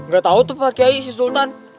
gak tau tuh pak kiai si sultan